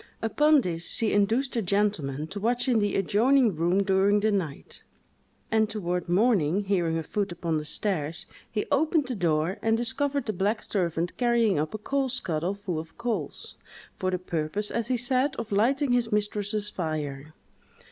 Upon this, she induced a gentleman to watch in the adjoining room during the night; and toward morning, hearing a foot upon the stairs, he opened the door and discovered the black servant carrying up a coal scuttle full of coals, for the purpose, as he said, of lighting his mistress's fire.